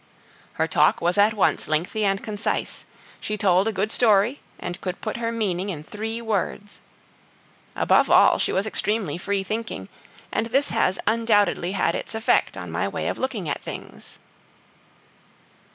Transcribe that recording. Her talk was at once lengthy and concise; she told a good story, and could put her meaning in three words. Above all, she was extremely free thinking, and this has undoubtedly had its effect on my way of looking at things.